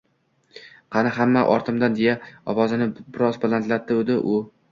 Qani, hamma ortimdan, deya ovozini biroz balandlatdi u